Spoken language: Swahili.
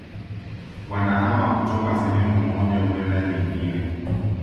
wanahama kutoka sehemu moja kwenda nyingine